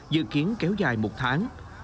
dự kiến kéo dài một tháng